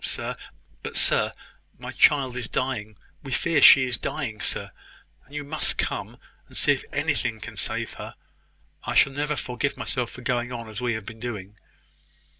sir; but sir, my child is dying. We fear she is dying, sir; and you must come, and see if anything can save her. I shall never forgive myself for going on as we have been doing.